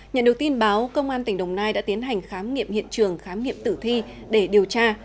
nhận được tin báo công an tỉnh đồng nai đã tiến hành khám nghiệm hiện trường khám nghiệm tử thi để điều tra